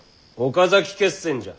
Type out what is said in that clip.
岡崎決戦じゃ！